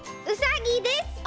うさぎです！